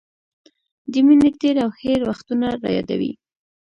د مینې تېر او هېر وختونه رايادوي.